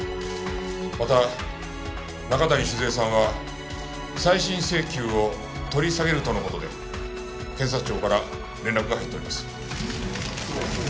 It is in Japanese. また中谷静江さんは再審請求を取り下げるとの事で検察庁から連絡が入っております。